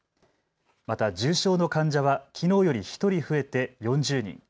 また重症の患者はきのうより１人増えて４０人。